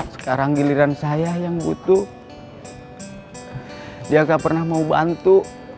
sekarang giliran saya yang butuh dia gak pernah mau bantu